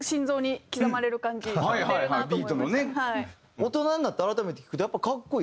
大人になって改めて聴くとやっぱかっこいいですね。